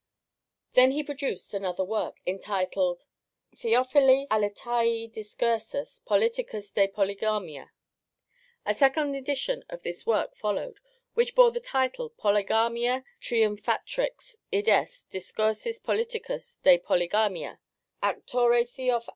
Then he produced another work, entitled Theophili Aletaei discursus politicus de Polygamia. A second edition of this work followed, which bore the title _Polygamia triumphatrix, id est, discursus politicus de Polygamia, auctore Theoph.